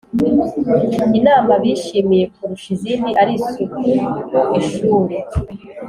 Inama bishimiye kurusha izindi ari isuku ku ishuri